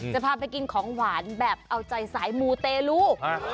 จะพาไปกินของหวานแบบเอาใจสายมูเตลู